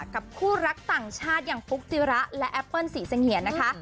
กับคู่รักต่างชาติอย่างฟุ๊กจิระและแอปเปิ้ลศรีจังเหียนนะคะ